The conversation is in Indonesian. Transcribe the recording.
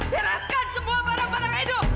heraskan semua barang barang edo